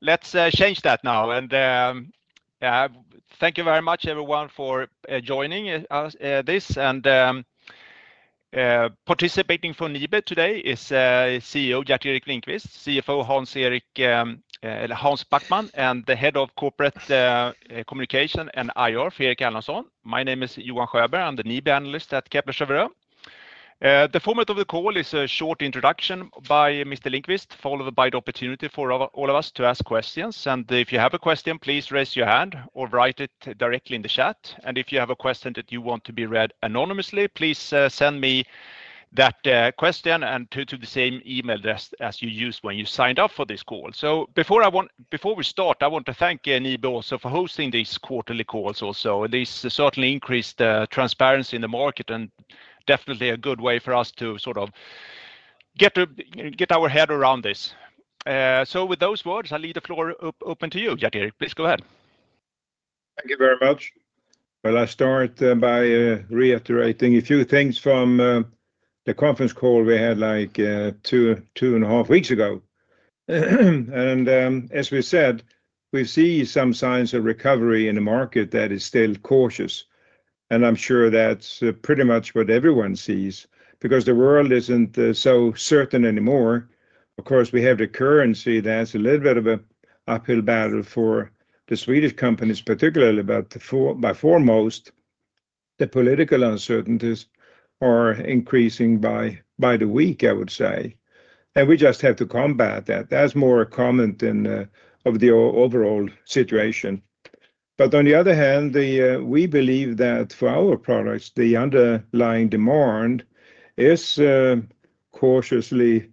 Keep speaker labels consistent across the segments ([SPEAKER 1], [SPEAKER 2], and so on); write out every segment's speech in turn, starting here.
[SPEAKER 1] Let's change that now, and thank you very much, everyone, for joining this. Participating from NIBE today is CEO Gerteric Lindquist, CFO Hans Backman, and the Head of Corporate Communication and IR, Fredrik Erlandsson. My name is Johan Sjöberg, and I'm the NIBE analyst at Kepler Cheuvreux. The format of the call is a short introduction by Mr. Lindquist, followed by the opportunity for all of us to ask questions. If you have a question, please raise your hand or write it directly in the chat. If you have a question that you want to be read anonymously, please send me that question to the same email address as you used when you signed up for this call. Before we start, I want to thank NIBE also for hosting these quarterly calls. Also, this certainly increased transparency in the market and definitely a good way for us to sort of get our head around this. With those words, I leave the floor open to you, Gerteric. Please go ahead.
[SPEAKER 2] Thank you very much. I will start by reiterating a few things from the conference call we had like two and a half weeks ago. As we said, we see some signs of recovery in the market that is still cautious. I am sure that is pretty much what everyone sees because the world is not so certain anymore. Of course, we have the currency that is a little bit of an uphill battle for the Swedish companies, particularly, but by foremost, the political uncertainties are increasing by the week, I would say. We just have to combat that. That is more common than of the overall situation. On the other hand, we believe that for our products, the underlying demand is cautiously,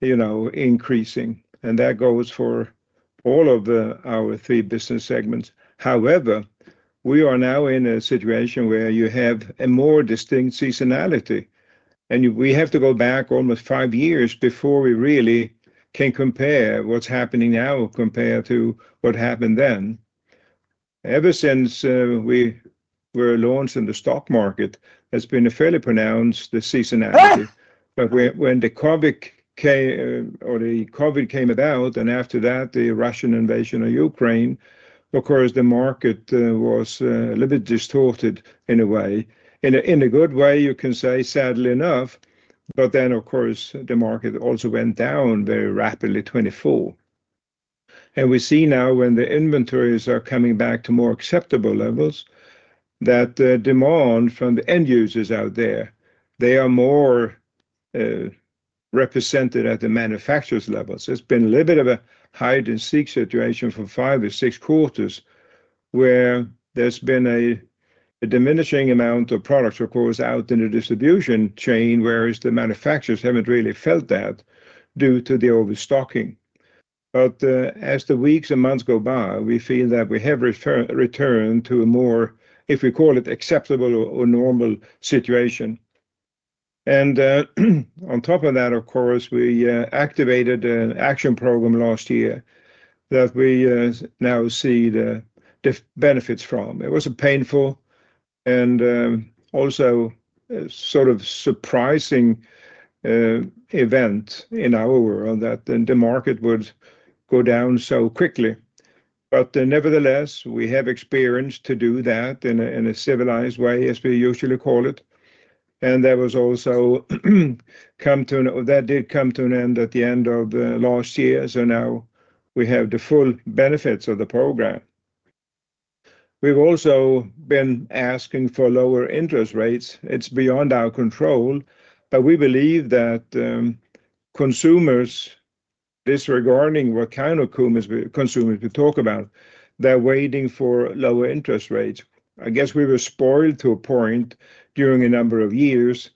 [SPEAKER 2] you know, increasing. That goes for all of our three business segments. However, we are now in a situation where you have a more distinct seasonality. We have to go back almost five years before we really can compare what's happening now compared to what happened then. Ever since we were launched in the stock market, there's been a fairly pronounced seasonality. When the COVID came about, and after that, the Russian invasion of Ukraine, of course, the market was a little bit distorted in a way. In a good way, you can say, sadly enough. The market also went down very rapidly, 2024. We see now when the inventories are coming back to more acceptable levels, that the demand from the end users out there, they are more represented at the manufacturers' levels. There's been a little bit of a hide-and-seek situation for five or six quarters where there's been a diminishing amount of products, of course, out in the distribution chain, whereas the manufacturers haven't really felt that due to the overstocking. As the weeks and months go by, we feel that we have returned to a more, if we call it acceptable or normal situation. On top of that, of course, we activated an action program last year that we now see the benefits from. It was a painful and also sort of surprising event in our world that the market would go down so quickly. Nevertheless, we have experience to do that in a civilized way, as we usually call it. That was also come to an end, or that did come to an end at the end of last year. Now we have the full benefits of the program. We've also been asking for lower interest rates. It's beyond our control, but we believe that consumers, disregarding what kind of consumers we talk about, they're waiting for lower interest rates. I guess we were spoiled to a point during a number of years.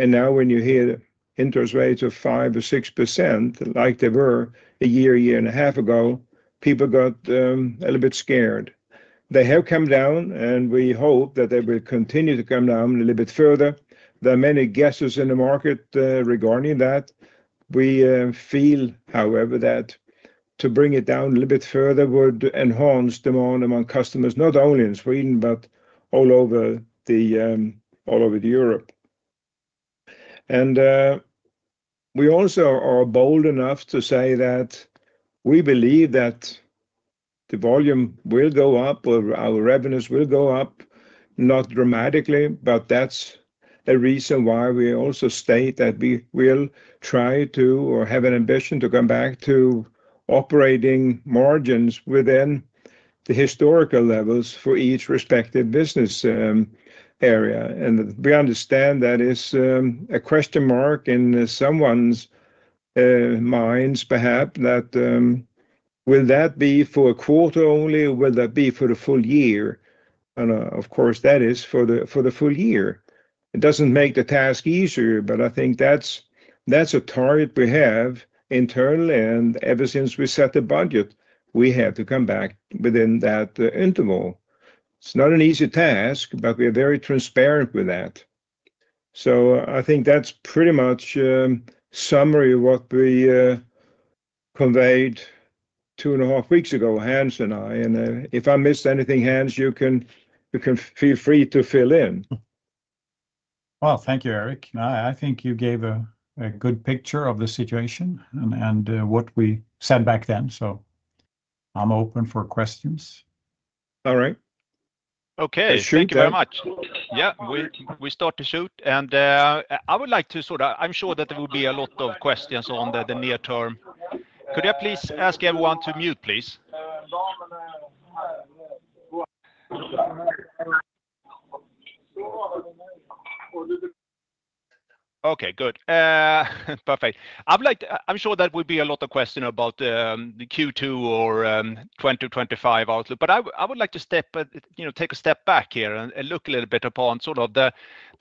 [SPEAKER 2] Now when you hear interest rates of 5% or 6%, like they were a year, year and a half ago, people got a little bit scared. They have come down, and we hope that they will continue to come down a little bit further. There are many guesses in the market regarding that. We feel, however, that to bring it down a little bit further would enhance demand among customers, not only in Sweden, but all over Europe. We also are bold enough to say that we believe that the volume will go up, our revenues will go up, not dramatically. That is a reason why we also state that we will try to, or have an ambition to come back to operating margins within the historical levels for each respective business area. We understand that is a question mark in someone's minds, perhaps, that will that be for a quarter only, will that be for the full year? Of course, that is for the full year. It does not make the task easier, but I think that is a target we have internally. Ever since we set the budget, we have to come back within that interval. It is not an easy task, but we are very transparent with that. I think that's pretty much a summary of what we conveyed two and a half weeks ago, Hans and I. If I missed anything, Hans, you can feel free to fill in.
[SPEAKER 3] Thank you, Erik. I think you gave a good picture of the situation and what we said back then. I am open for questions.
[SPEAKER 2] All right.
[SPEAKER 1] Okay, thank you very much. Yeah, we start to shoot. And I would like to sort of, I'm sure that there will be a lot of questions on the near term. Could I please ask everyone to mute, please? Okay, good. Perfect. I'm sure that will be a lot of questions about the Q2 or 2025 outlook. I would like to step, you know, take a step back here and look a little bit upon sort of the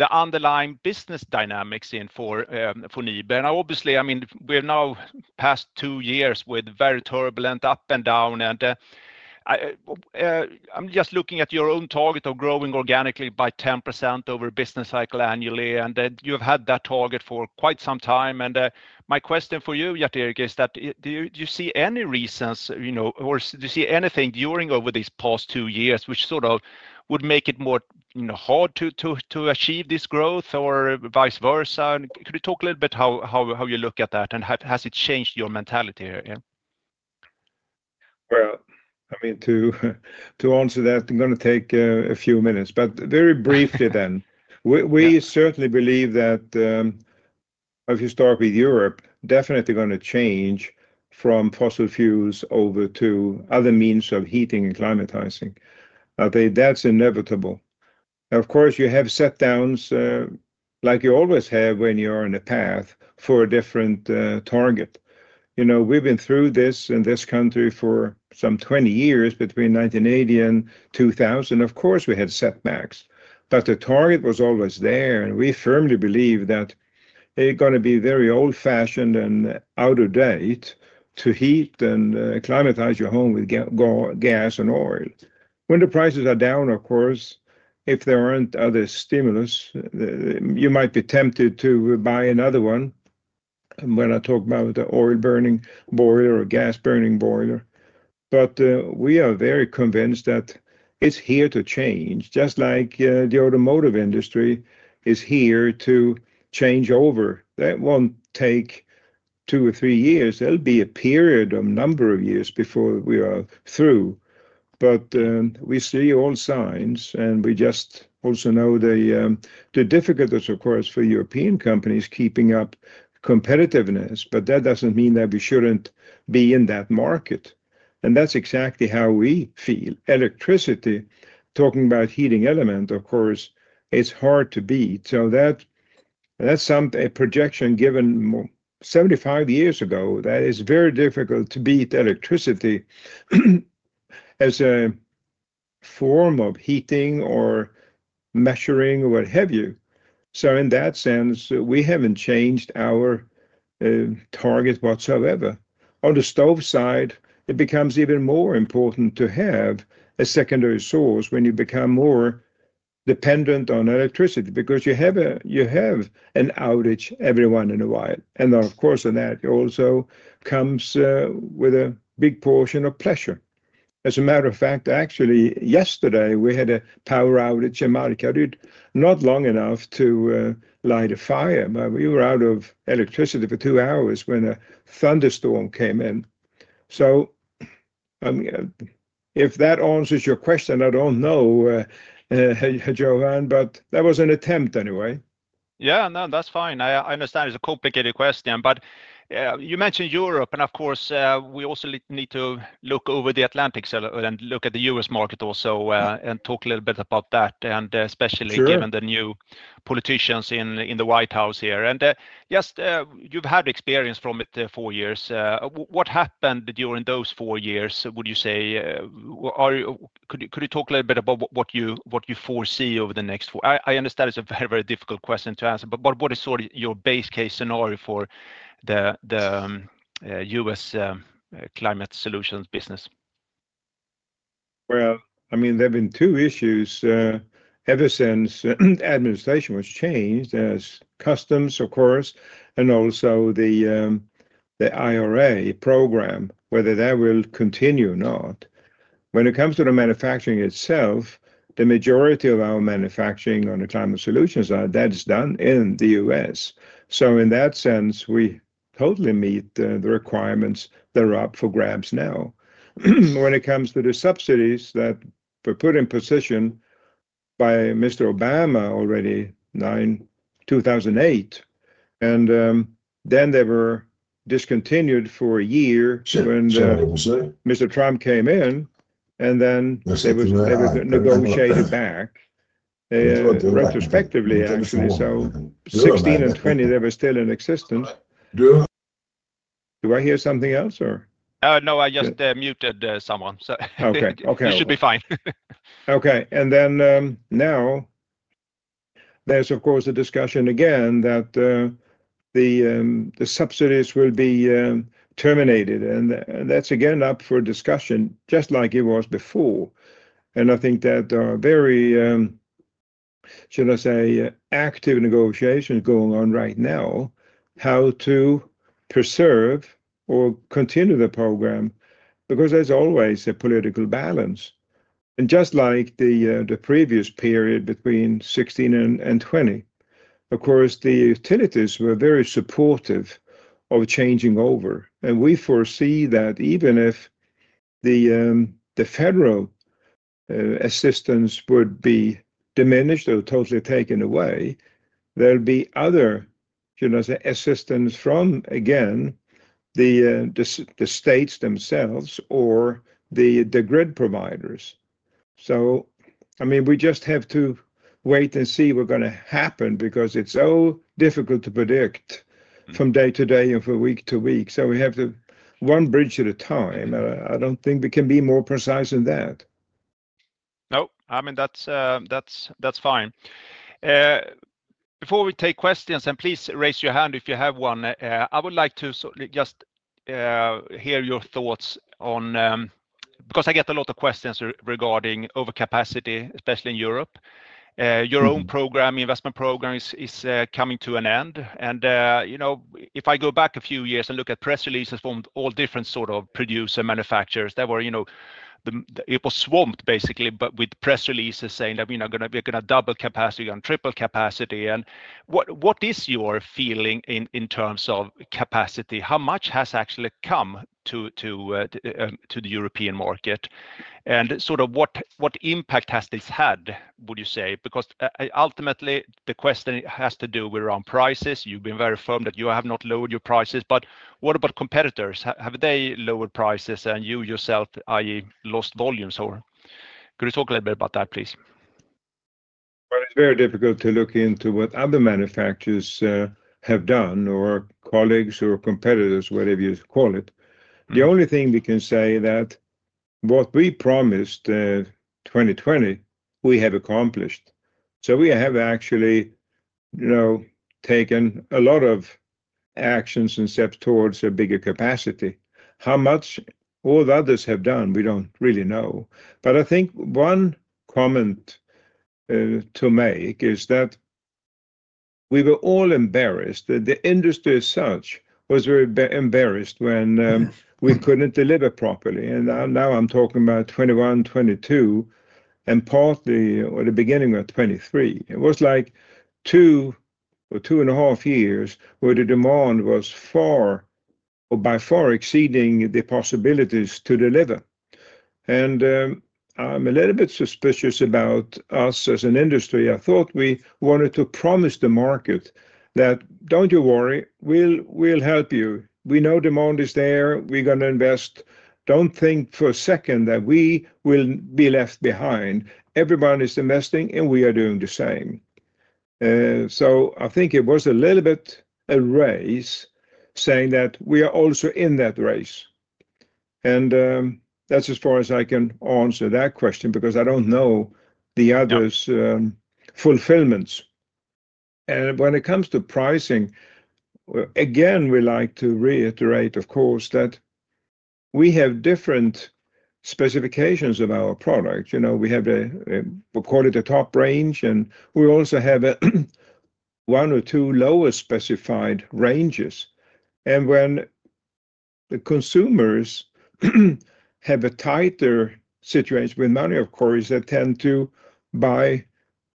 [SPEAKER 1] underlying business dynamics for NIBE. And obviously, I mean, we're now past two years with very turbulent up and down. I'm just looking at your own target of growing organically by 10% over business cycle annually. And you have had that target for quite some time. My question for you, Gerteric, is that do you see any reasons, you know, or do you see anything during over these past two years, which sort of would make it more hard to achieve this growth or vice versa? Could you talk a little bit how you look at that? Has it changed your mentality here?
[SPEAKER 2] I mean, to answer that, I'm going to take a few minutes. Very briefly then, we certainly believe that if you start with Europe, definitely going to change from fossil fuels over to other means of heating and climatizing. That's inevitable. Of course, you have set downs, like you always have when you're on a path for a different target. You know, we've been through this in this country for some 20 years, between 1980 and 2000. Of course, we had setbacks. The target was always there. We firmly believe that it's going to be very old-fashioned and out of date to heat and climatize your home with gas and oil. When the prices are down, of course, if there aren't other stimulus, you might be tempted to buy another one. I talk about the oil burning boiler or gas burning boiler. We are very convinced that it's here to change, just like the automotive industry is here to change over. That won't take two or three years. There will be a period of a number of years before we are through. We see all signs, and we just also know the difficulties, of course, for European companies keeping up competitiveness. That doesn't mean that we shouldn't be in that market. That's exactly how we feel. Electricity, talking about heating element, of course, it's hard to beat. That's a projection given 75 years ago. It is very difficult to beat electricity as a form of heating or measuring, what have you. In that sense, we haven't changed our target whatsoever. On the stove side, it becomes even more important to have a secondary source when you become more dependent on electricity because you have an outage every once in a while. Of course, that also comes with a big portion of pressure. As a matter of fact, actually, yesterday, we had a power outage in Markaryd, not long enough to light a fire. We were out of electricity for two hours when a thunderstorm came in. If that answers your question, I do not know, Johan, but that was an attempt anyway.
[SPEAKER 1] Yeah, no, that's fine. I understand it's a complicated question. You mentioned Europe, and of course, we also need to look over the Atlantic and look at the U.S. market also and talk a little bit about that, especially given the new politicians in the White House here. You've had experience from it for years. What happened during those four years, would you say? Could you talk a little bit about what you foresee over the next four? I understand it's a very, very difficult question to answer, but what is sort of your base case scenario for the U.S. Climate Solutions business?
[SPEAKER 2] I mean, there have been two issues ever since the administration was changed, as customs, of course, and also the IRA program, whether that will continue or not. When it comes to the manufacturing itself, the majority of our manufacturing on the Climate Solutions side, that is done in the U.S. In that sense, we totally meet the requirements that are up for grabs now. When it comes to the subsidies that were put in position by Mr. Obama already in 2008, and then they were discontinued for a year when Mr. Trump came in, and then they were negotiated back retrospectively.
[SPEAKER 4] In 2016 and 2020, they were still in existence.
[SPEAKER 2] Do I hear something else, or?
[SPEAKER 1] No, I just muted someone. You should be fine.
[SPEAKER 2] Okay. Now there's, of course, a discussion again that the subsidies will be terminated. That's again up for discussion, just like it was before. I think that there are very, should I say, active negotiations going on right now, how to preserve or continue the program, because there's always a political balance. Just like the previous period between 2016 and 2020, of course, the utilities were very supportive of changing over. We foresee that even if the federal assistance would be diminished or totally taken away, there'll be other, should I say, assistance from, again, the states themselves or the grid providers. I mean, we just have to wait and see what's going to happen because it's so difficult to predict from day to day and from week to week. We have to one bridge at a time. I don't think we can be more precise than that.
[SPEAKER 1] No, I mean, that's fine. Before we take questions, and please raise your hand if you have one, I would like to just hear your thoughts on, because I get a lot of questions regarding overcapacity, especially in Europe. Your own program, investment program, is coming to an end. If I go back a few years and look at press releases from all different sort of producer manufacturers, there were, you know, it was swamped basically with press releases saying that we're going to double capacity and triple capacity. What is your feeling in terms of capacity? How much has actually come to the European market? What impact has this had, would you say? Ultimately, the question has to do with around prices. You've been very firm that you have not lowered your prices. What about competitors? Have they lowered prices and you yourself, i.e., lost volumes? Or could you talk a little bit about that, please?
[SPEAKER 2] It is very difficult to look into what other manufacturers have done or colleagues or competitors, whatever you call it. The only thing we can say is that what we promised in 2020, we have accomplished. We have actually taken a lot of actions and steps towards a bigger capacity. How much all the others have done, we do not really know. I think one comment to make is that we were all embarrassed that the industry as such was very embarrassed when we could not deliver properly. Now I am talking about 2021, 2022, and partly at the beginning of 2023. It was like two or two and a half years where the demand was far or by far exceeding the possibilities to deliver. I am a little bit suspicious about us as an industry. I thought we wanted to promise the market that, don't you worry, we'll help you. We know demand is there. We're going to invest. Don't think for a second that we will be left behind. Everyone is investing, and we are doing the same. I think it was a little bit a race saying that we are also in that race. That's as far as I can answer that question because I don't know the others' fulfillments. When it comes to pricing, again, we like to reiterate, of course, that we have different specifications of our product. You know, we have what we call the top range, and we also have one or two lower specified ranges. When the consumers have a tighter situation with money, of course, they tend to buy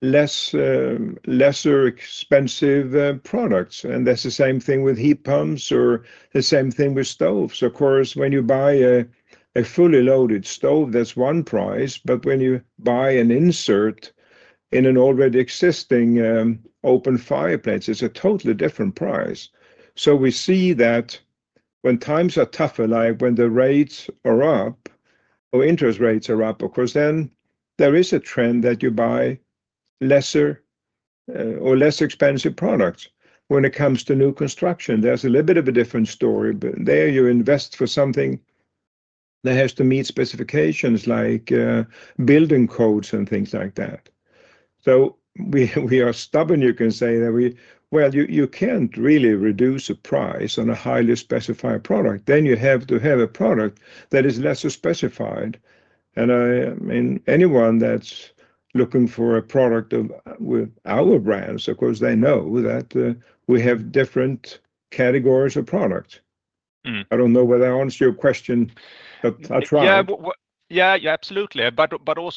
[SPEAKER 2] lesser expensive products. That is the same thing with heat pumps or the same thing with stoves. Of course, when you buy a fully loaded stove, that is one price. When you buy an insert in an already existing open fireplace, it is a totally different price. We see that when times are tougher, like when the rates are up or interest rates are up, there is a trend that you buy lesser or less expensive products. When it comes to new construction, there is a little bit of a different story. There you invest for something that has to meet specifications like building codes and things like that. We are stubborn, you can say, that we, well, you cannot really reduce a price on a highly specified product. You have to have a product that is lesser specified. I mean, anyone that's looking for a product with our brands, of course, they know that we have different categories of products. I don't know whether I answered your question, but I try.
[SPEAKER 1] Yeah, absolutely. What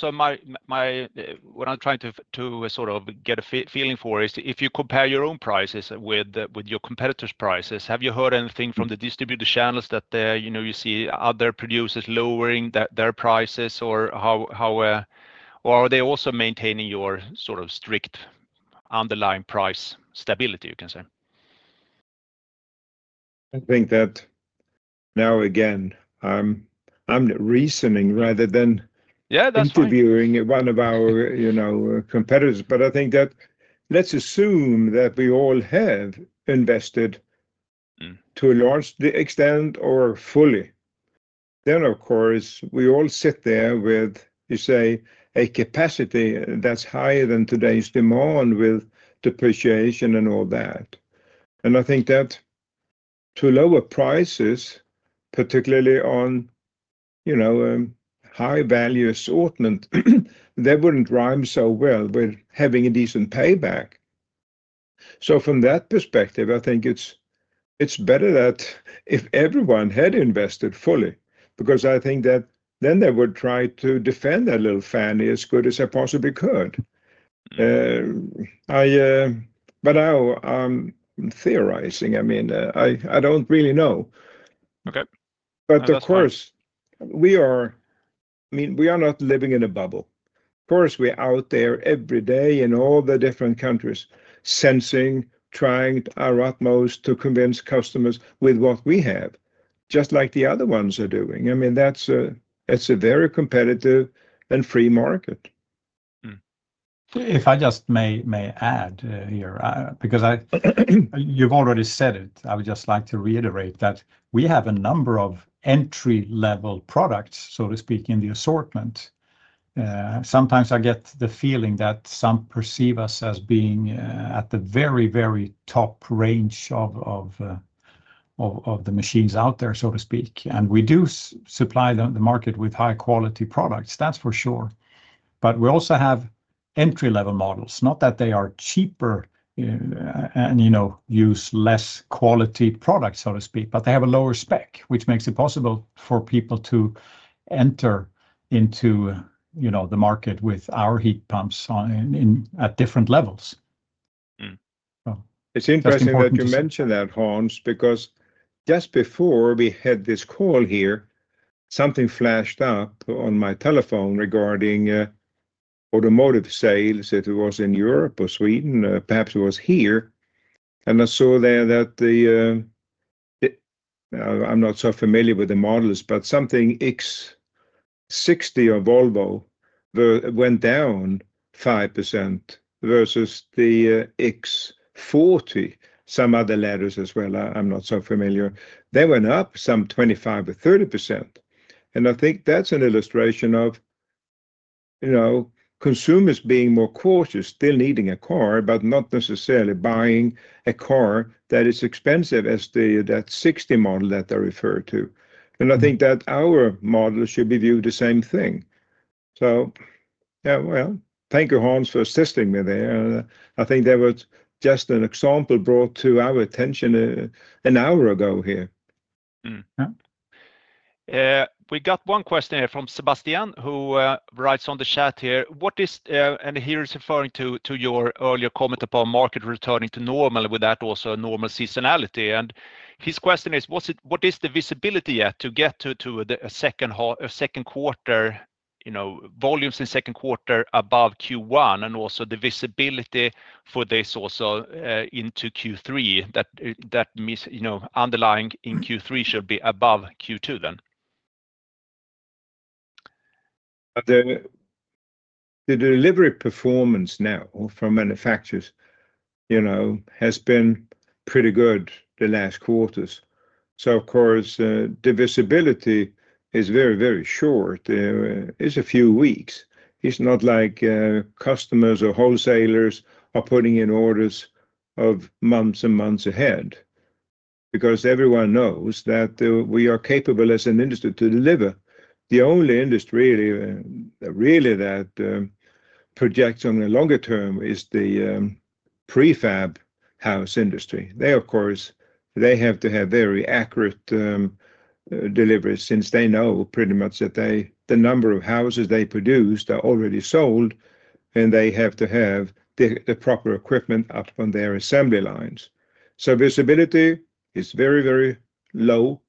[SPEAKER 1] I'm trying to sort of get a feeling for is if you compare your own prices with your competitors' prices, have you heard anything from the distributor channels that you see other producers lowering their prices, or are they also maintaining your sort of strict underlying price stability, you can say?
[SPEAKER 2] I think that now, again, I'm reasoning rather than interviewing one of our competitors. I think that let's assume that we all have invested to a large extent or fully. Of course, we all sit there with, you say, a capacity that's higher than today's demand with depreciation and all that. I think that to lower prices, particularly on high-value assortment, that would not rhyme so well with having a decent payback. From that perspective, I think it's better that if everyone had invested fully, because I think that then they would try to defend that little fan as good as I possibly could. Now I'm theorizing. I mean, I don't really know. Of course, we are not living in a bubble. Of course, we're out there every day in all the different countries sensing, trying our utmost to convince customers with what we have, just like the other ones are doing. I mean, that's a very competitive and free market.
[SPEAKER 3] If I just may add here, because you've already said it, I would just like to reiterate that we have a number of entry-level products, so to speak, in the assortment. Sometimes I get the feeling that some perceive us as being at the very, very top range of the machines out there, so to speak. We do supply the market with high-quality products, that's for sure. We also have entry-level models, not that they are cheaper and use less quality products, so to speak, but they have a lower spec, which makes it possible for people to enter into the market with our heat pumps at different levels.
[SPEAKER 2] It's interesting that you mention that, Hans, because just before we had this call here, something flashed up on my telephone regarding automotive sales, if it was in Europe or Sweden, perhaps it was here. I saw there that the, I'm not so familiar with the models, but something X60 of Volvo went down 5% versus the X40, some other letters as well. I'm not so familiar. They went up some 25% or 30%. I think that's an illustration of consumers being more cautious, still needing a car, but not necessarily buying a car that is as expensive as that '60 model that they refer to. I think that our model should be viewed the same thing. Thank you, Hans, for assisting me there. I think that was just an example brought to our attention an hour ago here.
[SPEAKER 1] We got one question here from Sebastian, who writes on the chat here. He was referring to your earlier comment about market returning to normal with that also normal seasonality. His question is, what is the visibility yet to get to a second quarter volumes in second quarter above Q1 and also the visibility for this also into Q3, that underlying in Q3 should be above Q2 then?
[SPEAKER 2] The delivery performance now from manufacturers has been pretty good the last quarters. Of course, the visibility is very, very short. It is a few weeks. It is not like customers or wholesalers are putting in orders months and months ahead because everyone knows that we are capable as an industry to deliver. The only industry really that projects on the longer term is the prefab house industry. They, of course, have to have very accurate deliveries since they know pretty much that the number of houses they produce are already sold, and they have to have the proper equipment up on their assembly lines. Visibility is very, very low,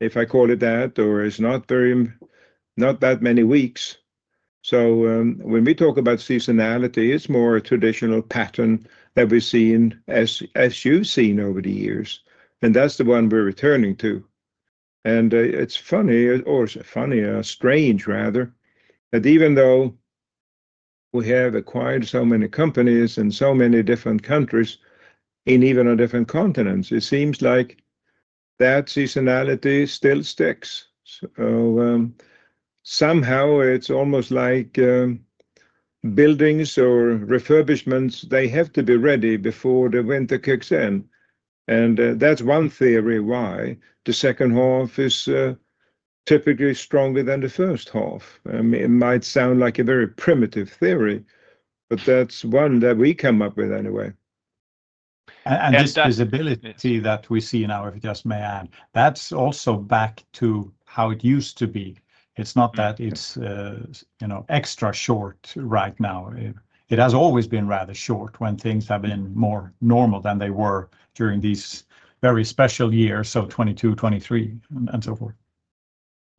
[SPEAKER 2] if I call it that, or it is not that many weeks. When we talk about seasonality, it is more a traditional pattern that we have seen, as you have seen over the years. That is the one we are returning to. It is funny, or funny strange rather, that even though we have acquired so many companies in so many different countries, in even different continents, it seems like that seasonality still sticks. Somehow it is almost like buildings or refurbishments have to be ready before the winter kicks in. That is one theory why the second half is typically stronger than the first half. It might sound like a very primitive theory, but that is one that we come up with anyway.
[SPEAKER 3] This visibility that we see now, if I just may add, that's also back to how it used to be. It's not that it's extra short right now. It has always been rather short when things have been more normal than they were during these very special years, so 2022, 2023, and so forth.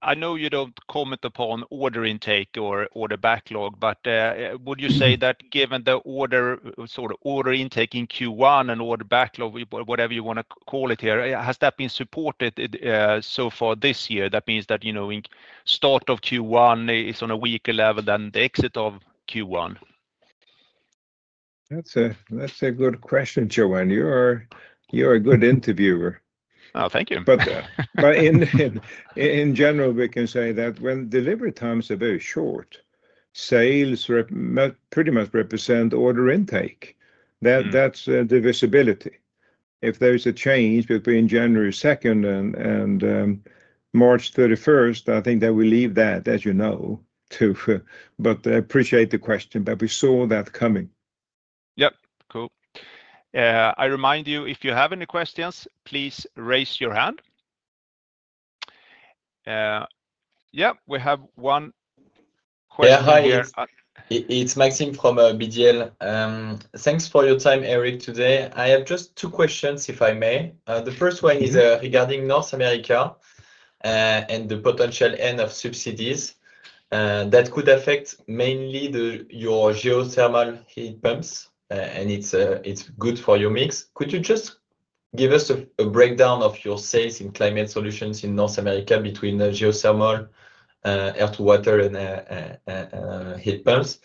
[SPEAKER 1] I know you don't comment upon order intake or order backlog, but would you say that given the order sort of order intake in Q1 and order backlog, whatever you want to call it here, has that been supported so far this year? That means that start of Q1 is on a weaker level than the exit of Q1?
[SPEAKER 2] That's a good question, Johan. You're a good interviewer.
[SPEAKER 1] Oh, thank you.
[SPEAKER 2] In general, we can say that when delivery times are very short, sales pretty much represent order intake. That's the visibility. If there's a change between January 2nd and March 31st, I think that we leave that, as you know. I appreciate the question, but we saw that coming.
[SPEAKER 1] Yep, cool. I remind you, if you have any questions, please raise your hand. Yeah, we have one question here.
[SPEAKER 5] Yeah, hi. It's Maxim from [DNB]. Thanks for your time, Erik, today. I have just two questions, if I may. The first one is regarding North America and the potential end of subsidies that could affect mainly your geothermal heat pumps, and it's good for your mix. Could you just give us a breakdown of your sales in Climate Solutions in North America between geothermal, air to water, and heat pumps?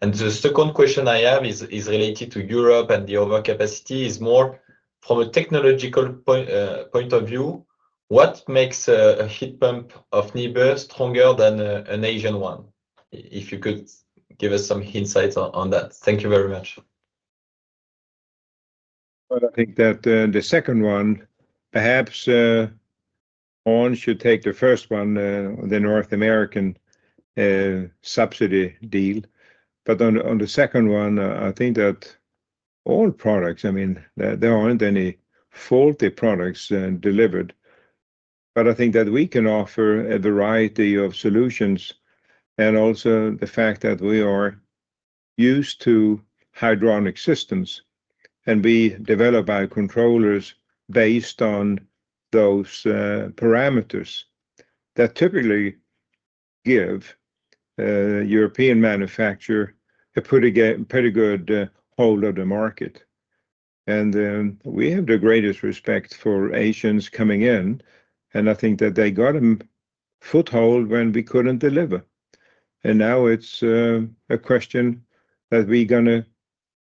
[SPEAKER 5] The second question I have is related to Europe and the overcapacity is more from a technological point of view. What makes a heat pump of NIBE stronger than an Asian one? If you could give us some insights on that. Thank you very much.
[SPEAKER 2] I think that the second one, perhaps Hans should take the first one, the North American subsidy deal. On the second one, I think that all products, I mean, there are not any faulty products delivered. I think that we can offer a variety of solutions and also the fact that we are used to hydronic systems and be developed by controllers based on those parameters that typically give a European manufacturer a pretty good hold of the market. We have the greatest respect for Asians coming in, and I think that they got a foothold when we could not deliver. Now it is a question that we are going to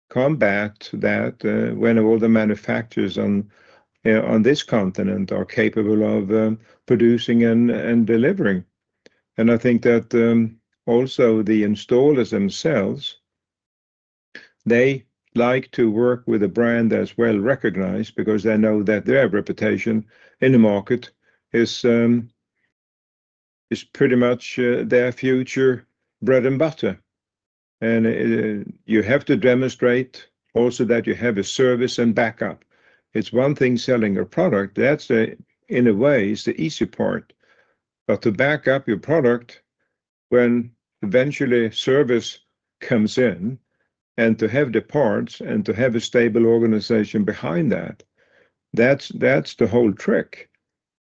[SPEAKER 2] combat that when all the manufacturers on this continent are capable of producing and delivering. I think that also the installers themselves, they like to work with a brand that's well recognized because they know that their reputation in the market is pretty much their future bread and butter. You have to demonstrate also that you have a service and backup. It's one thing selling a product. That, in a way, is the easy part. To back up your product when eventually service comes in and to have the parts and to have a stable organization behind that, that's the whole trick.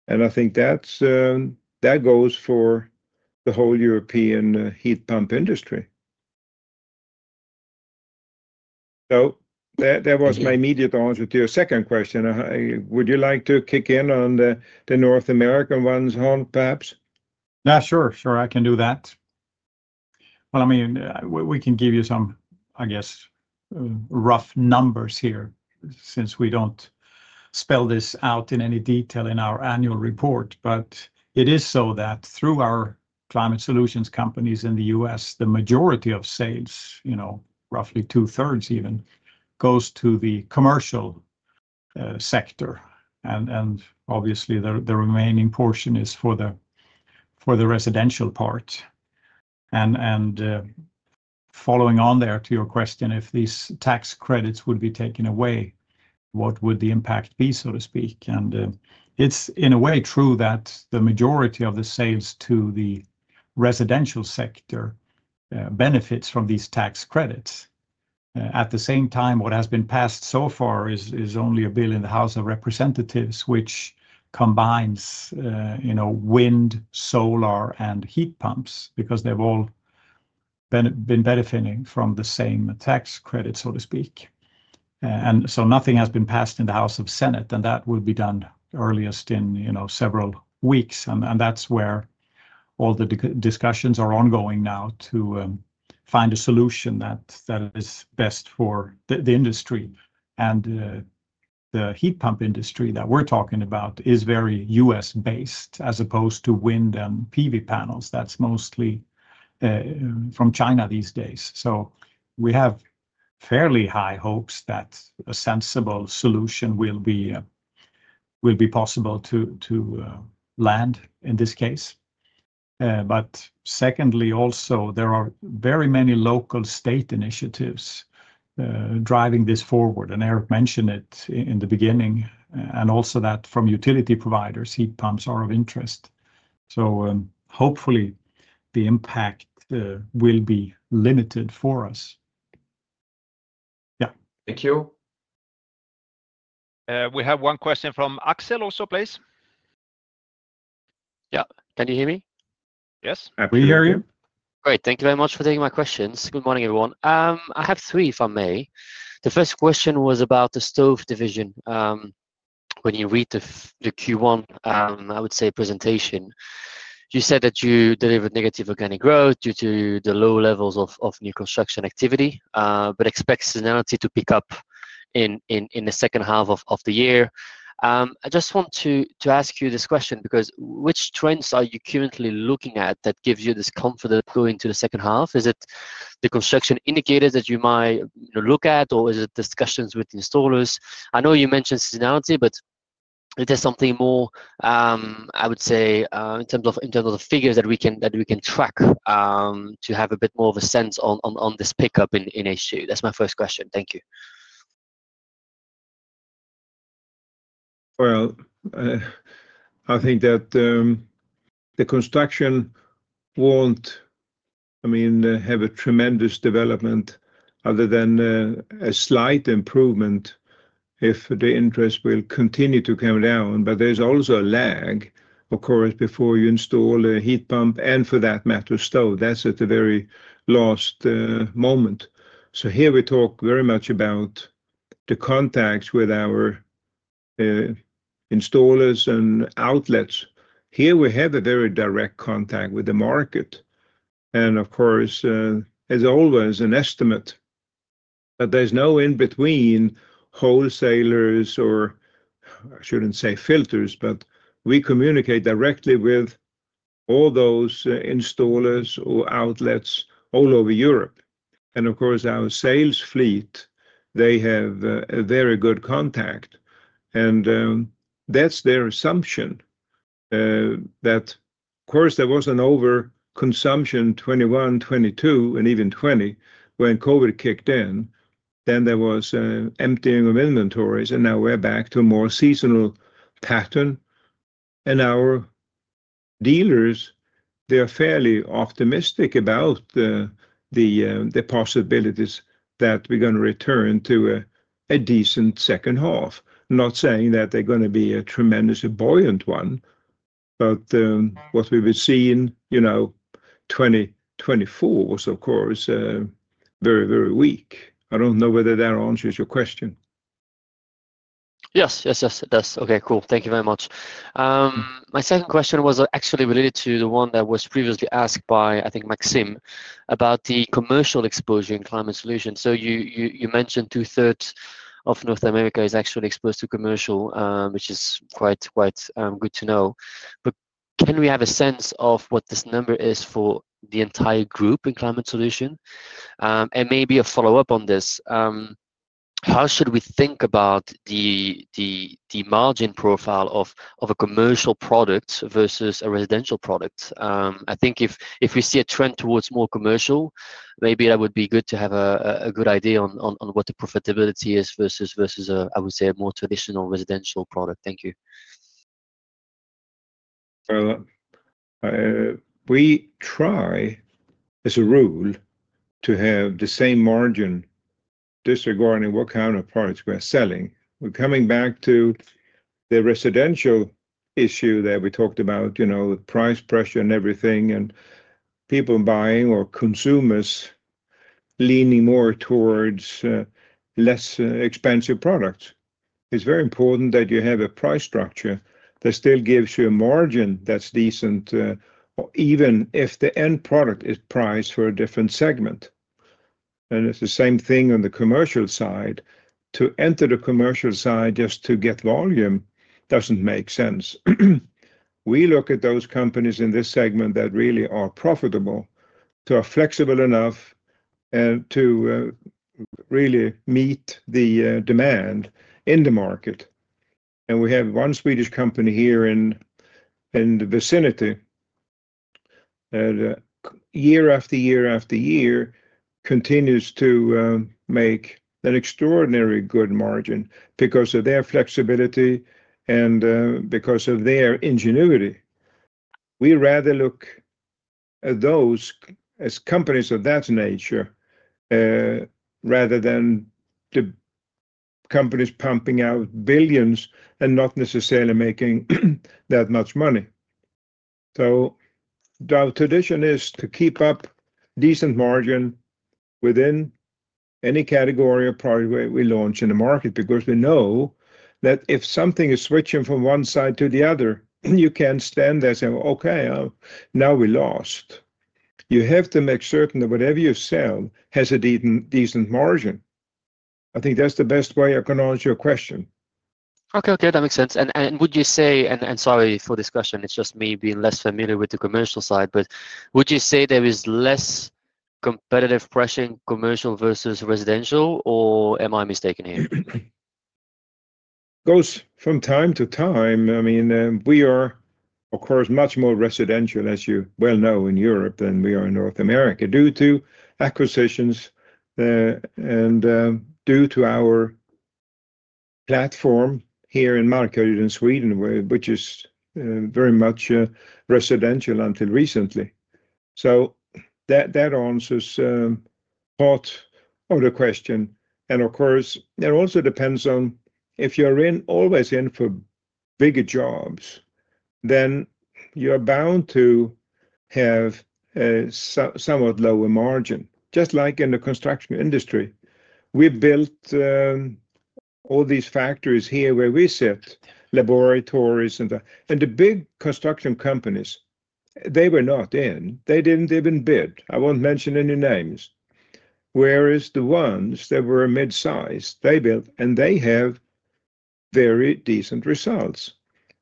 [SPEAKER 2] I think that goes for the whole European heat pump industry. That was my immediate answer to your second question. Would you like to kick in on the North American ones, Hans, perhaps?
[SPEAKER 3] Yeah, sure. Sure, I can do that. I mean, we can give you some, I guess, rough numbers here since we do not spell this out in any detail in our annual report. It is so that through our Climate Solutions companies in the U.S., the majority of sales, roughly two-thirds even, goes to the commercial sector. Obviously, the remaining portion is for the residential part. Following on there to your question, if these tax credits would be taken away, what would the impact be, so to speak? It is in a way true that the majority of the sales to the residential sector benefits from these tax credits. At the same time, what has been passed so far is only a bill in the House of Representatives, which combines wind, solar, and heat pumps because they've all been benefiting from the same tax credit, so to speak. Nothing has been passed in the House of Senate, and that will be done earliest in several weeks. That is where all the discussions are ongoing now to find a solution that is best for the industry. The heat pump industry that we're talking about is very U.S.-based as opposed to wind and PV panels. That's mostly from China these days. We have fairly high hopes that a sensible solution will be possible to land in this case. Secondly, also, there are very many local state initiatives driving this forward. Erik mentioned it in the beginning, and also that from utility providers, heat pumps are of interest. Hopefully, the impact will be limited for us. Yeah.
[SPEAKER 1] Thank you. We have one question from Axel also, please.
[SPEAKER 6] Yeah, can you hear me?
[SPEAKER 1] Yes.
[SPEAKER 2] We hear you.
[SPEAKER 6] Great. Thank you very much for taking my questions. Good morning, everyone. I have three, if I may. The first question was about the stove division. When you read the Q1, I would say, presentation, you said that you delivered negative organic growth due to the low levels of new construction activity, but expect seasonality to pick up in the second half of the year. I just want to ask you this question because which trends are you currently looking at that gives you this comfort of going to the second half? Is it the construction indicators that you might look at, or is it discussions with installers? I know you mentioned seasonality, but is there something more, I would say, in terms of figures that we can track to have a bit more of a sense on this pickup in H2? That's my first question. Thank you.
[SPEAKER 2] I think that the construction will not, I mean, have a tremendous development other than a slight improvement if the interest will continue to come down. There is also a lag, of course, before you install a heat pump and, for that matter, stove. That is at the very last moment. Here we talk very much about the contacts with our installers and outlets. Here we have a very direct contact with the market. Of course, as always, an estimate. There is no in-between wholesalers or, I should not say filters, but we communicate directly with all those installers or outlets all over Europe. Of course, our sales fleet, they have a very good contact. That is their assumption that, of course, there was an overconsumption in 2021, 2022, and even 2020 when COVID kicked in. There was emptying of inventories, and now we're back to a more seasonal pattern. Our dealers, they're fairly optimistic about the possibilities that we're going to return to a decent second half. Not saying that they're going to be a tremendously buoyant one, but what we've been seeing in 2024 was, of course, very, very weak. I don't know whether that answers your question.
[SPEAKER 6] Yes, yes, yes, it does. Okay, cool. Thank you very much. My second question was actually related to the one that was previously asked by, I think, Maxim, about the commercial exposure in Climate Solutions. You mentioned two-thirds of North America is actually exposed to commercial, which is quite good to know. Can we have a sense of what this number is for the entire group in Climate Solutions? Maybe a follow-up on this. How should we think about the margin profile of a commercial product versus a residential product? I think if we see a trend towards more commercial, maybe that would be good to have a good idea on what the profitability is versus, I would say, a more traditional residential product. Thank you.
[SPEAKER 2] We try, as a rule, to have the same margin disregarding what kind of products we're selling. We're coming back to the residential issue that we talked about, the price pressure and everything, and people buying or consumers leaning more towards less expensive products. It's very important that you have a price structure that still gives you a margin that's decent, even if the end product is priced for a different segment. It's the same thing on the commercial side. To enter the commercial side just to get volume doesn't make sense. We look at those companies in this segment that really are profitable, so flexible enough to really meet the demand in the market. We have one Swedish company here in the vicinity that year after year after year continues to make an extraordinarily good margin because of their flexibility and because of their ingenuity. We rather look at those as companies of that nature rather than the companies pumping out billions and not necessarily making that much money. Our tradition is to keep up decent margin within any category of product we launch in the market because we know that if something is switching from one side to the other, you can't stand there and say, "Okay, now we lost." You have to make certain that whatever you sell has a decent margin. I think that's the best way I can answer your question.
[SPEAKER 6] Okay, okay. That makes sense. Would you say, and sorry for this question, it's just me being less familiar with the commercial side, but would you say there is less competitive pressure in commercial versus residential, or am I mistaken here?
[SPEAKER 2] It goes from time to time. I mean, we are, of course, much more residential, as you well know, in Europe than we are in North America due to acquisitions and due to our platform here in Markaryd in Sweden, which is very much residential until recently. That answers part of the question. Of course, it also depends on if you're always in for bigger jobs, then you're bound to have somewhat lower margin, just like in the construction industry. We've built all these factories here where we sit, laboratories, and the big construction companies, they were not in. They did not even bid. I will not mention any names. Whereas the ones that were mid-size, they built, and they have very decent results.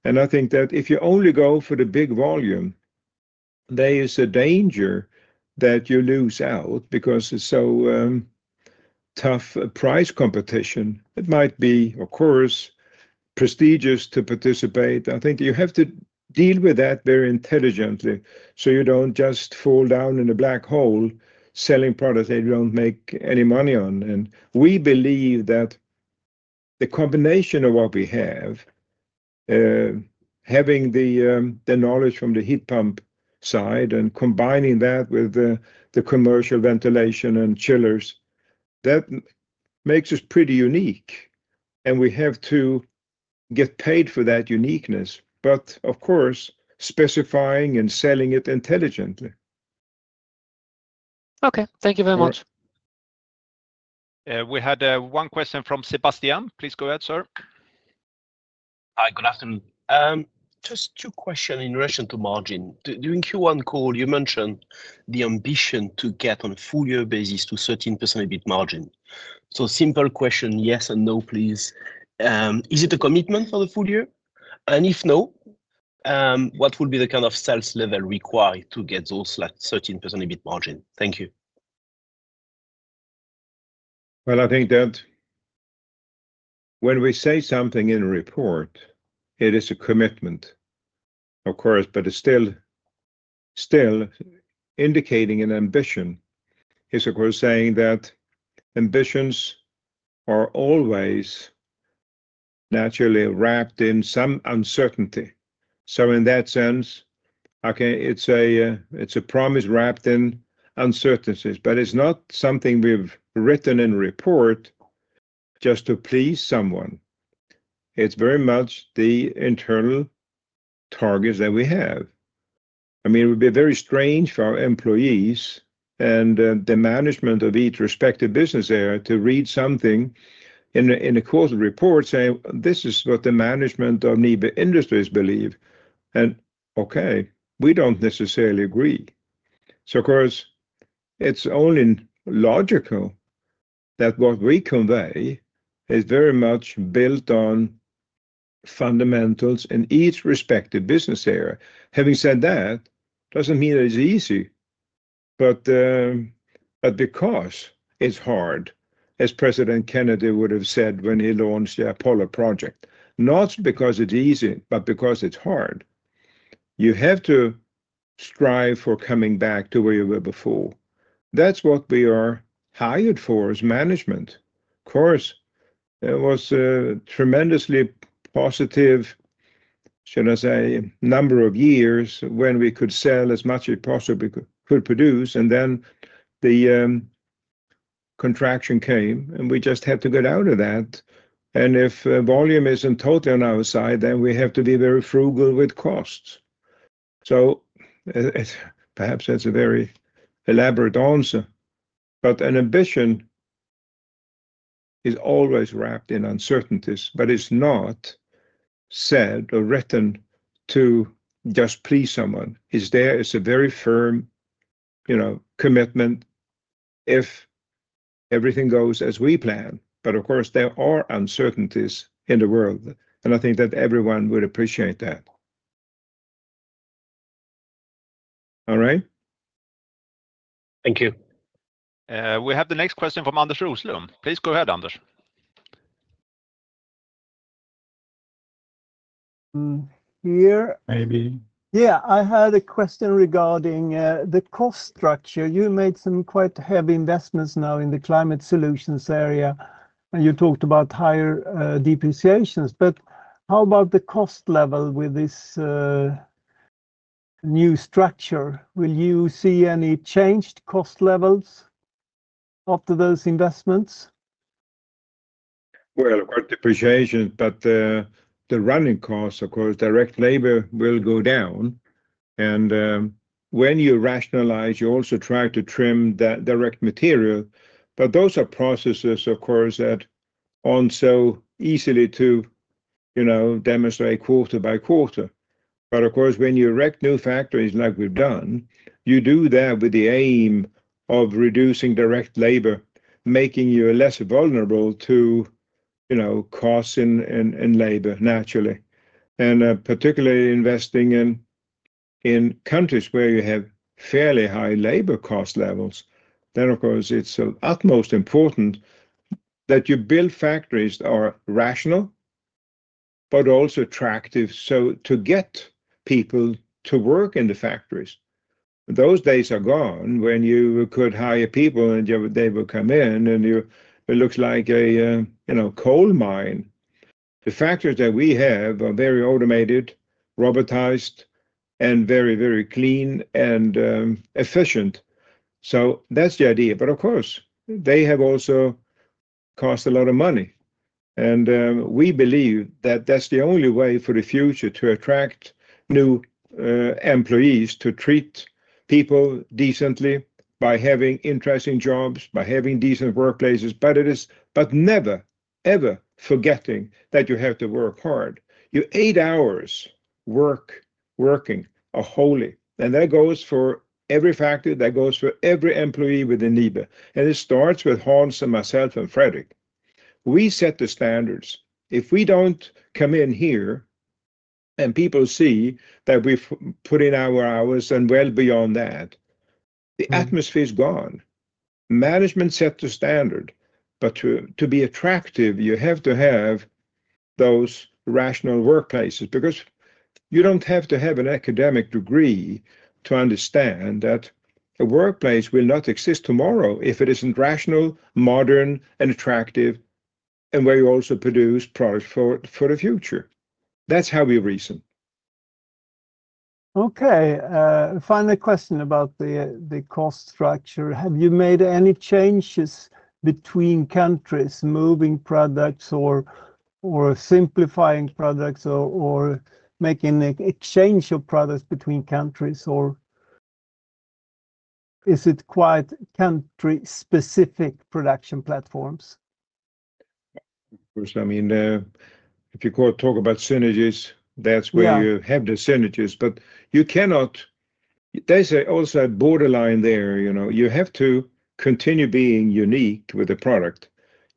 [SPEAKER 2] I think that if you only go for the big volume, there is a danger that you lose out because it is so tough price competition. It might be, of course, prestigious to participate. I think you have to deal with that very intelligently so you do not just fall down in a black hole selling products that you do not make any money on. We believe that the combination of what we have, having the knowledge from the heat pump side and combining that with the commercial ventilation and chillers, that makes us pretty unique. We have to get paid for that uniqueness, but of course, specifying and selling it intelligently.
[SPEAKER 6] Okay. Thank you very much.
[SPEAKER 1] We had one question from Sebastian. Please go ahead, sir.
[SPEAKER 7] Hi, good afternoon. Just two questions in relation to margin. During Q1 call, you mentioned the ambition to get on a full-year basis to 13% EBIT margin. Simple question, yes and no, please. Is it a commitment for the full year? If no, what will be the kind of sales level required to get those 13% EBIT margin? Thank you.
[SPEAKER 2] I think that when we say something in a report, it is a commitment, of course, but still indicating an ambition is, of course, saying that ambitions are always naturally wrapped in some uncertainty. In that sense, okay, it's a promise wrapped in uncertainties, but it's not something we've written in a report just to please someone. It's very much the internal targets that we have. I mean, it would be very strange for our employees and the management of each respective business area to read something in a quarterly report saying, "This is what the management of NIBE Industrier believe." Okay, we don't necessarily agree. Of course, it's only logical that what we convey is very much built on fundamentals in each respective business area. Having said that, doesn't mean it's easy. Because it's hard, as President Kennedy would have said when he launched the Apollo project, not because it's easy, but because it's hard, you have to strive for coming back to where you were before. That's what we are hired for as management. Of course, it was a tremendously positive, should I say, number of years when we could sell as much as we possibly could produce. The contraction came, and we just had to get out of that. If volume isn't totally on our side, then we have to be very frugal with costs. Perhaps that's a very elaborate answer. An ambition is always wrapped in uncertainties, but it's not said or written to just please someone. It's there as a very firm commitment if everything goes as we plan. Of course, there are uncertainties in the world, and I think that everyone would appreciate that.
[SPEAKER 7] All right.
[SPEAKER 1] Thank you. We have the next question from Anders Roslund. Please go ahead, Anders.
[SPEAKER 8] Here, maybe. Yeah, I had a question regarding the cost structure. You made some quite heavy investments now in the Climate Solutions area, and you talked about higher depreciations. How about the cost level with this new structure? Will you see any changed cost levels after those investments?
[SPEAKER 2] Of course, depreciation, but the running cost, of course, direct labor will go down. When you rationalize, you also try to trim that direct material. Those are processes, of course, that are not so easy to demonstrate quarter by quarter. Of course, when you erect new factories like we have done, you do that with the aim of reducing direct labor, making you less vulnerable to costs in labor, naturally. Particularly investing in countries where you have fairly high labor cost levels, it is of utmost importance that you build factories that are rational, but also attractive to get people to work in the factories. Those days are gone when you could hire people, and they would come in, and it looks like a coal mine. The factories that we have are very automated, robotized, and very, very clean and efficient. That is the idea. Of course, they have also cost a lot of money. We believe that that's the only way for the future to attract new employees, to treat people decently by having interesting jobs, by having decent workplaces, but never ever forgetting that you have to work hard. You eight hours working a [holy]. That goes for every factory, that goes for every employee within NIBE. It starts with Hans and myself and Fredrik. We set the standards. If we don't come in here and people see that we've put in our hours and well beyond that, the atmosphere is gone. Management set the standard. To be attractive, you have to have those rational workplaces because you don't have to have an academic degree to understand that a workplace will not exist tomorrow if it isn't rational, modern, and attractive, and where you also produce products for the future. That's how we reason.
[SPEAKER 8] Okay. Final question about the cost structure. Have you made any changes between countries, moving products or simplifying products or making an exchange of products between countries, or is it quite country-specific production platforms?
[SPEAKER 2] Of course. I mean, if you talk about synergies, that's where you have the synergies. You cannot—there's also a borderline there. You have to continue being unique with the product.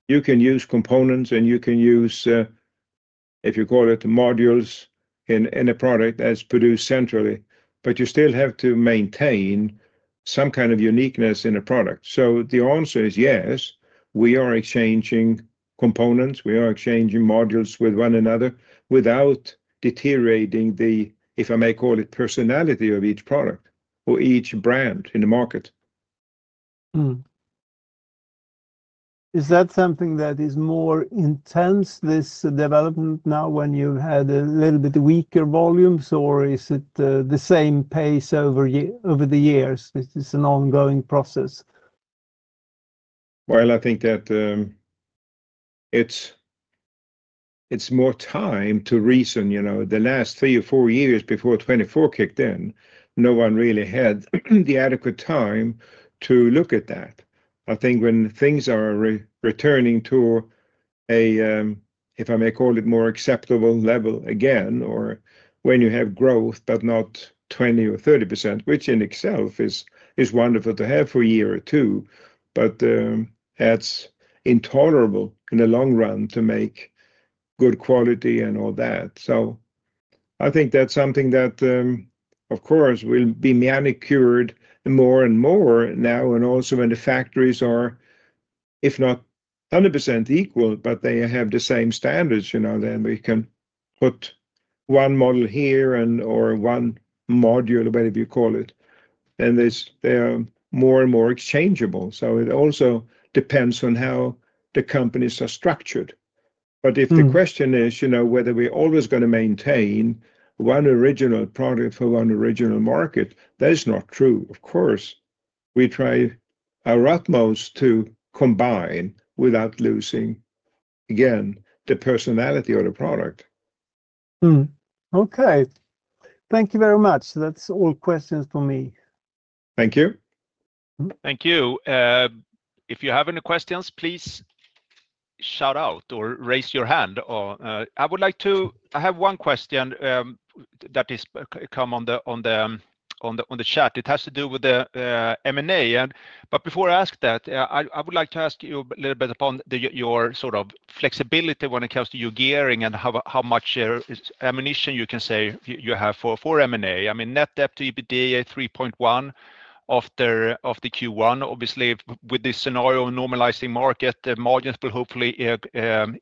[SPEAKER 2] You can use components, and you can use, if you call it, modules in a product that's produced centrally, but you still have to maintain some kind of uniqueness in a product. The answer is yes. We are exchanging components. We are exchanging modules with one another without deteriorating the, if I may call it, personality of each product or each brand in the market.
[SPEAKER 8] Is that something that is more intense, this development now when you've had a little bit weaker volumes, or is it the same pace over the years? This is an ongoing process.
[SPEAKER 2] I think that it's more time to reason. The last three or four years before 2024 kicked in, no one really had the adequate time to look at that. I think when things are returning to a, if I may call it, more acceptable level again, or when you have growth but not 20% or 30%, which in itself is wonderful to have for a year or two, but that's intolerable in the long run to make good quality and all that. I think that's something that, of course, will be manicured more and more now. Also, when the factories are, if not 100% equal, but they have the same standards, then we can put one model here or one module, whatever you call it, and they are more and more exchangeable. It also depends on how the companies are structured. If the question is whether we're always going to maintain one original product for one original market, that is not true. Of course, we try our utmost to combine without losing, again, the personality of the product.
[SPEAKER 8] Okay. Thank you very much. That's all questions for me.
[SPEAKER 2] Thank you.
[SPEAKER 1] Thank you. If you have any questions, please shout out or raise your hand. I would like to—I have one question that has come on the chat. It has to do with the M&A. Before I ask that, I would like to ask you a little bit upon your sort of flexibility when it comes to your gearing and how much ammunition you can say you have for M&A. I mean, net debt to EBITDA 3.1 after Q1. Obviously, with this scenario of normalizing market, the margins will hopefully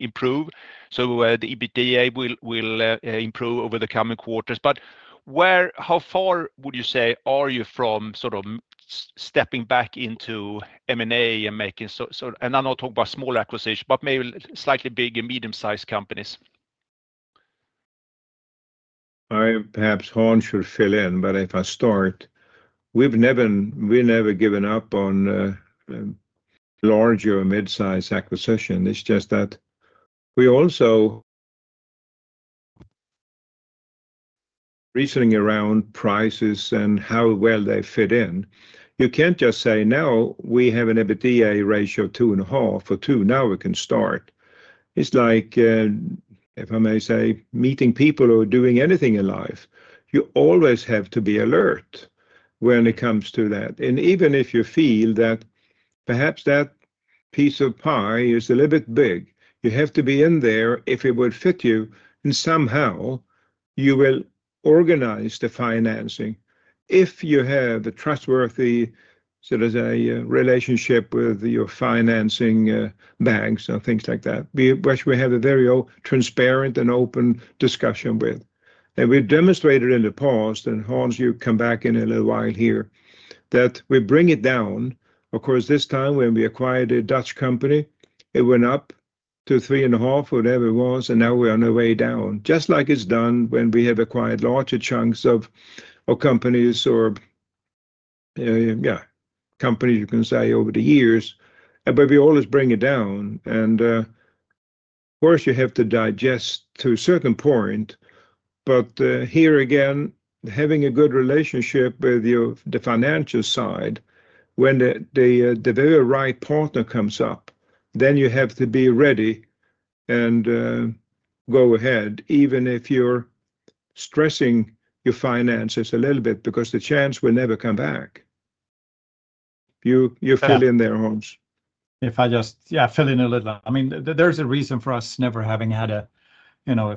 [SPEAKER 1] improve. So the EBITDA will improve over the coming quarters. How far would you say are you from sort of stepping back into M&A and making—and I'm not talking about small acquisition, but maybe slightly bigger medium-sized companies?
[SPEAKER 2] Perhaps Hans should fill in, but if I start, we've never given up on larger mid-size acquisition. It's just that we're also reasoning around prices and how well they fit in. You can't just say, "No, we have an EBITDA ratio of two and a half or two. Now we can start." It's like, if I may say, meeting people or doing anything in life. You always have to be alert when it comes to that. Even if you feel that perhaps that piece of pie is a little bit big, you have to be in there if it would fit you. Somehow, you will organize the financing if you have a trustworthy sort of relationship with your financing banks and things like that, which we have a very transparent and open discussion with. We have demonstrated in the past, and Hans, you come back in a little while here, that we bring it down. Of course, this time when we acquired a Dutch company, it went up to three and a half or whatever it was, and now we are on our way down, just like it has done when we have acquired larger chunks of companies or, yeah, companies you can say over the years. We always bring it down. Of course, you have to digest to a certain point. Here again, having a good relationship with the financial side, when the very right partner comes up, you have to be ready and go ahead, even if you are stressing your finances a little bit because the chance will never come back. You fill in there, Hans.
[SPEAKER 3] If I just, yeah, fill in a little. I mean, there's a reason for us never having had a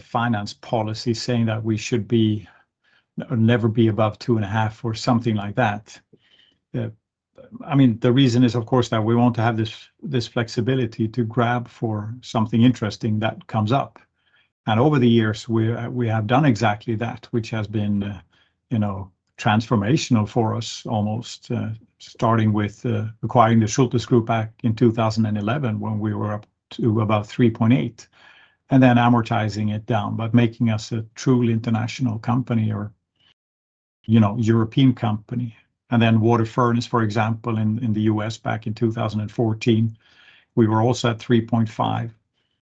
[SPEAKER 3] finance policy saying that we should never be above 2.5 or something like that. I mean, the reason is, of course, that we want to have this flexibility to grab for something interesting that comes up. And over the years, we have done exactly that, which has been transformational for us, almost starting with acquiring the Schulthess Group back in 2011 when we were up to about 3.8, and then amortizing it down, but making us a truly international company or European company. And then WaterFurnace, for example, in the U.S. back in 2014, we were also at 3.5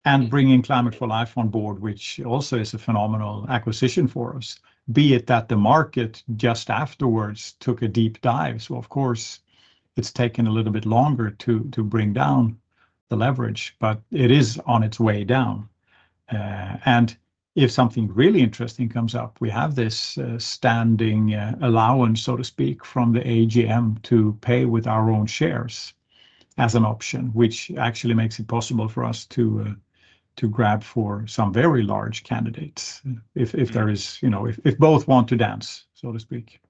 [SPEAKER 3] and bringing Climate for Life on board, which also is a phenomenal acquisition for us, be it that the market just afterwards took a deep dive. Of course, it's taken a little bit longer to bring down the leverage, but it is on its way down. If something really interesting comes up, we have this standing allowance, so to speak, from the AGM to pay with our own shares as an option, which actually makes it possible for us to grab for some very large candidates if both want to dance, so to speak.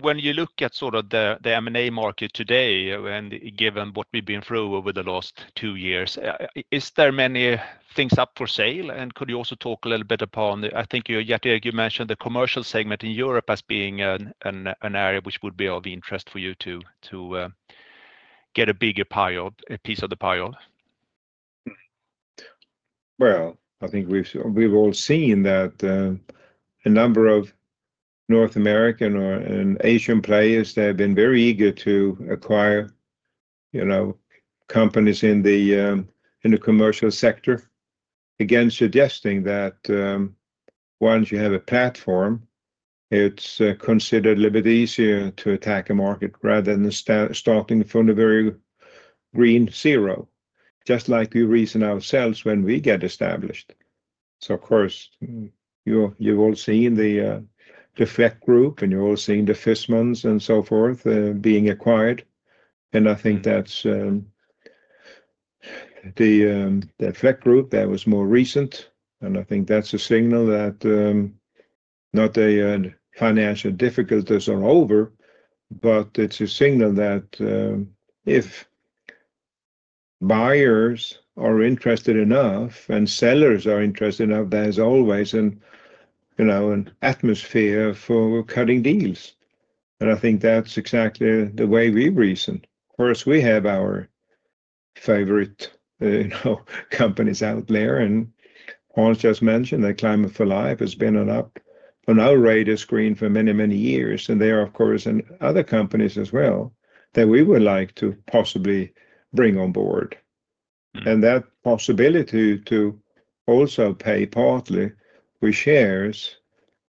[SPEAKER 1] When you look at sort of the M&A market today and given what we've been through over the last two years, is there many things up for sale? Could you also talk a little bit upon—I think you mentioned the commercial segment in Europe as being an area which would be of interest for you to get a bigger pie of, a piece of the pile?
[SPEAKER 2] I think we've all seen that a number of North American and Asian players have been very eager to acquire companies in the commercial sector, again, suggesting that once you have a platform, it's considered a little bit easier to attack a market rather than starting from the very green zero, just like we reason ourselves when we get established. Of course, you've all seen the Fleck Group, and you're all seeing the Fissmans and so forth being acquired. I think that the Fleck Group, that was more recent, and I think that's a signal that not the financial difficulties are over, but it's a signal that if buyers are interested enough and sellers are interested enough, there's always an atmosphere for cutting deals. I think that's exactly the way we reason. Of course, we have our favorite companies out there. Hans just mentioned that Climate for Life has been on our radar screen for many, many years. There are, of course, other companies as well that we would like to possibly bring on board. That possibility to also pay partly with shares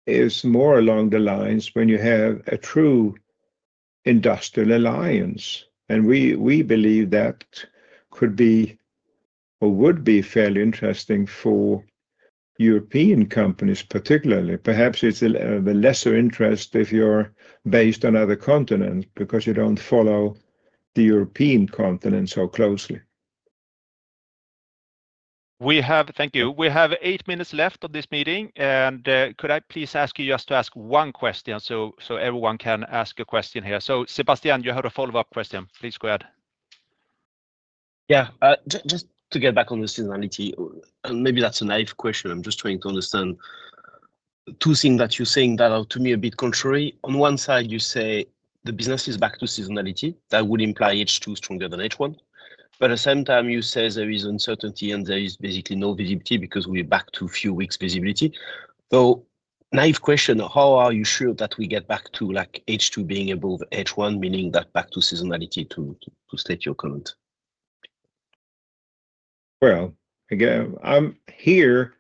[SPEAKER 2] is more along the lines when you have a true industrial alliance. We believe that could be or would be fairly interesting for European companies, particularly. Perhaps it is a lesser interest if you are based on other continents because you do not follow the European continent so closely.
[SPEAKER 1] Thank you. We have eight minutes left of this meeting. Could I please ask you just to ask one question so everyone can ask a question here? Sebastian, you had a follow-up question. Please go ahead.
[SPEAKER 7] Yeah. Just to get back on the seasonality, and maybe that's a naive question. I'm just trying to understand two things that you're saying that are to me a bit contrary. On one side, you say the business is back to seasonality. That would imply H2 stronger than H1. At the same time, you say there is uncertainty and there is basically no visibility because we're back to a few weeks visibility. So naive question, how are you sure that we get back to H2 being above H1, meaning that back to seasonality to state your comment?
[SPEAKER 2] I am here.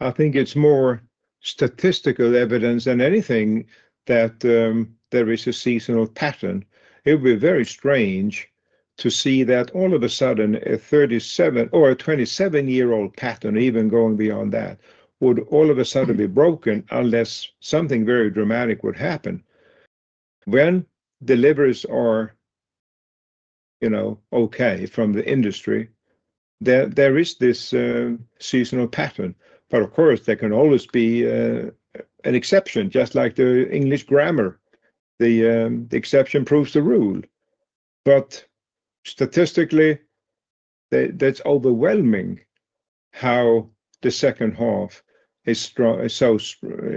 [SPEAKER 2] I think it is more statistical evidence than anything that there is a seasonal pattern. It would be very strange to see that all of a sudden a 37- or a 27-year-old pattern, even going beyond that, would all of a sudden be broken unless something very dramatic would happen. When deliveries are okay from the industry, there is this seasonal pattern. Of course, there can always be an exception, just like the English grammar. The exception proves the rule. Statistically, it is overwhelming how the second half is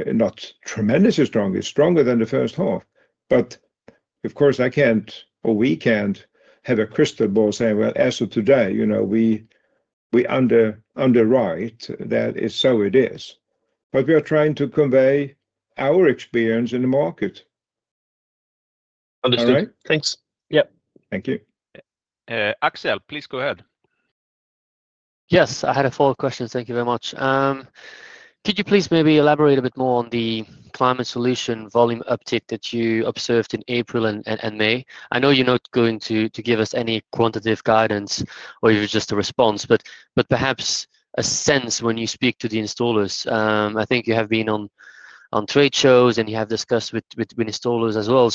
[SPEAKER 2] not tremendously strong. It is stronger than the first half. Of course, I cannot or we cannot have a crystal ball saying, "As of today, we underwrite that it is so." We are trying to convey our experience in the market.
[SPEAKER 7] Understood. Thanks. Yeah.
[SPEAKER 2] Thank you.
[SPEAKER 1] Axel, please go ahead.
[SPEAKER 6] Yes. I had a follow-up question. Thank you very much. Could you please maybe elaborate a bit more on the climate solution volume uptick that you observed in April and May? I know you're not going to give us any quantitative guidance or even just a response, but perhaps a sense when you speak to the installers. I think you have been on trade shows and you have discussed with installers as well.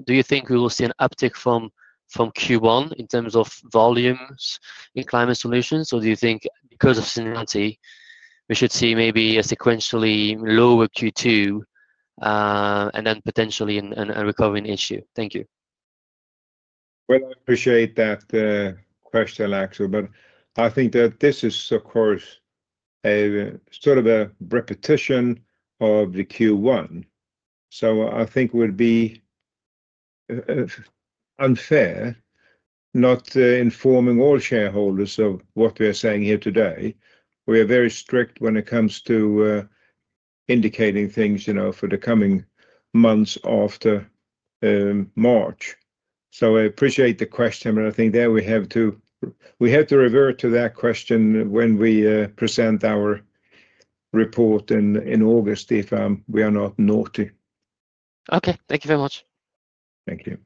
[SPEAKER 6] Do you think we will see an uptick from Q1 in terms of volumes in Climate Solutions, or do you think because of seasonality, we should see maybe a sequentially lower Q2 and then potentially a recovering issue? Thank you.
[SPEAKER 2] I appreciate that question, Axel, but I think that this is, of course, sort of a repetition of the Q1. I think it would be unfair not informing all shareholders of what we are saying here today. We are very strict when it comes to indicating things for the coming months after March. I appreciate the question, but I think there we have to revert to that question when we present our report in August if we are not naughty.
[SPEAKER 6] Okay. Thank you very much.
[SPEAKER 2] Thank you.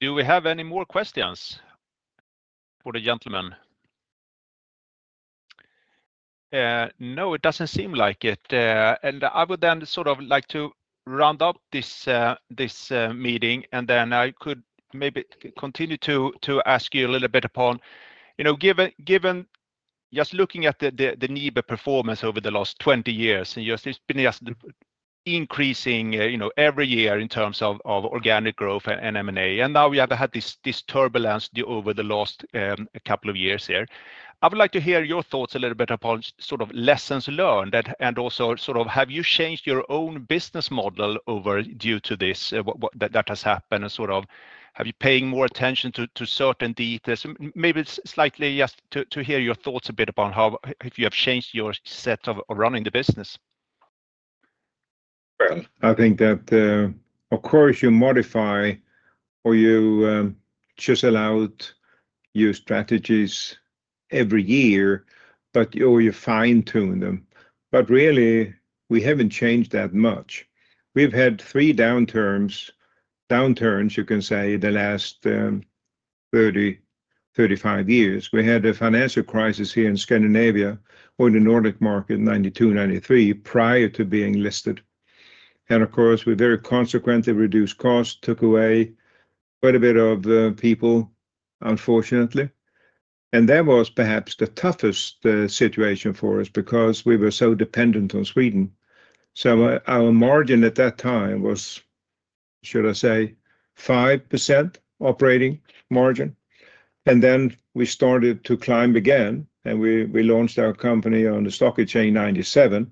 [SPEAKER 1] Do we have any more questions for the gentlemen? No, it doesn't seem like it. I would then sort of like to round up this meeting, and then I could maybe continue to ask you a little bit upon, given just looking at the NIBE performance over the last 20 years and just been increasing every year in terms of organic growth and M&A, and now we have had this turbulence over the last couple of years here. I would like to hear your thoughts a little bit upon sort of lessons learned and also sort of have you changed your own business model due to this that has happened and sort of have you been paying more attention to certain details? Maybe slightly just to hear your thoughts a bit upon if you have changed your set of running the business.
[SPEAKER 2] I think that, of course, you modify or you just allow your strategies every year or you fine-tune them. Really, we haven't changed that much. We've had three downturns, you can say, in the last 30-35 years. We had a financial crisis here in Scandinavia or in the Nordic market in 1992-1993 prior to being listed. Of course, we very consequently reduced costs, took away quite a bit of people, unfortunately. That was perhaps the toughest situation for us because we were so dependent on Sweden. Our margin at that time was, should I say, 5% operating margin. Then we started to climb again, and we launched our company on the stock exchange in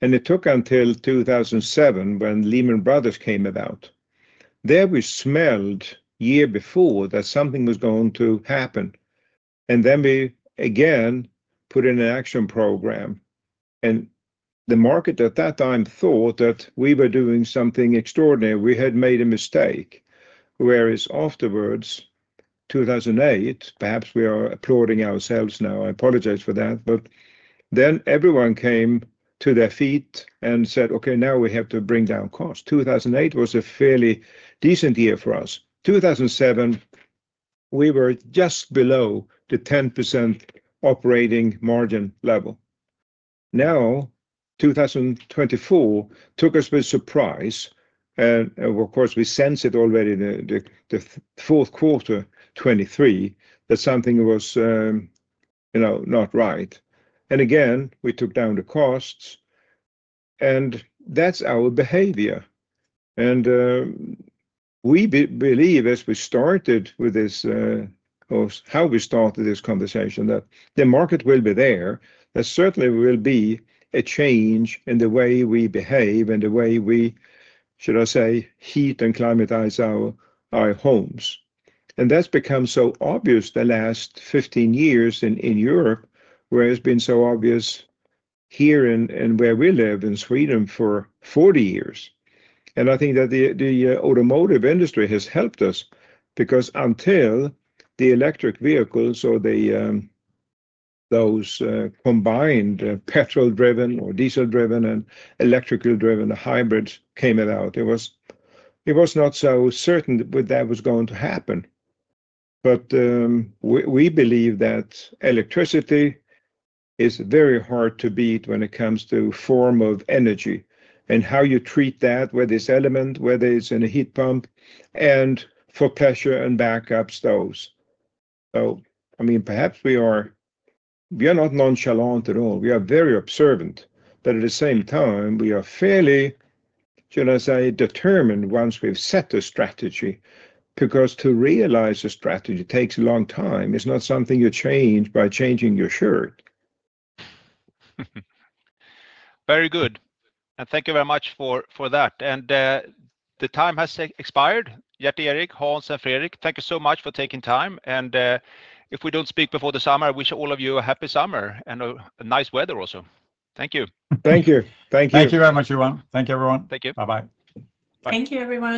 [SPEAKER 2] 1997. It took until 2007 when Lehman Brothers came about. There we smelled the year before that something was going to happen. We again put in an action program. The market at that time thought that we were doing something extraordinary. We had made a mistake. Whereas afterwards, 2008, perhaps we are applauding ourselves now. I apologize for that. Everyone came to their feet and said, "Okay, now we have to bring down costs." 2008 was a fairly decent year for us. 2007, we were just below the 10% operating margin level. Now, 2024 took us by surprise. Of course, we sensed it already in the fourth quarter, 2023, that something was not right. We took down the costs. That is our behavior. We believe as we started with this, or how we started this conversation, that the market will be there. There certainly will be a change in the way we behave and the way we, should I say, heat and climatize our homes. That has become so obvious the last 15 years in Europe, where it has been so obvious here and where we live in Sweden for 40 years. I think that the automotive industry has helped us because until the electric vehicles or those combined petrol-driven or diesel-driven and electrically-driven hybrids came about, it was not so certain that that was going to happen. We believe that electricity is very hard to beat when it comes to form of energy and how you treat that, whether it is element, whether it is in a heat pump, and for pressure and backup stoves. I mean, perhaps we are not nonchalant at all. We are very observant. At the same time, we are fairly, should I say, determined once we've set a strategy because to realize a strategy takes a long time. It's not something you change by changing your shirt.
[SPEAKER 1] Very good. Thank you very much for that. The time has expired. Gerteric, Hans, and Fredrik, thank you so much for taking time. If we do not speak before the summer, I wish all of you a happy summer and nice weather also. Thank you.
[SPEAKER 2] Thank you. Thank you.
[SPEAKER 3] Thank you very much, everyone.
[SPEAKER 1] Thank you.
[SPEAKER 3] Bye-bye.
[SPEAKER 2] Thank you, everyone.